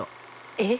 えっ？